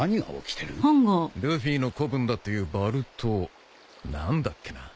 ルフィの子分だっていうバルト何だっけな？